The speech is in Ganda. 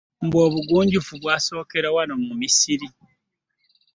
Mbu obugunjufu bwasookera wano mu Misiri?